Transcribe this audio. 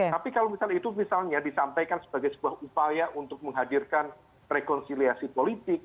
tapi kalau misalnya itu misalnya disampaikan sebagai sebuah upaya untuk menghadirkan rekonsiliasi politik